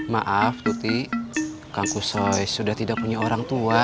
maaf tuti kang kusoy sudah tidak punya orang tua